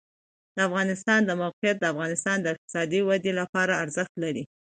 د افغانستان د موقعیت د افغانستان د اقتصادي ودې لپاره ارزښت لري.